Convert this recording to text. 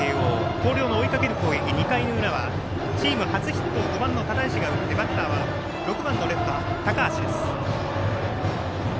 広陵の追いかける攻撃２回の裏はチーム初ヒットを５番の只石が打ってバッターは６番のレフト、高橋。